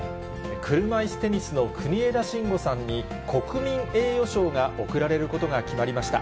車いすテニスの国枝慎吾さんに、国民栄誉賞が贈られることが決まりました。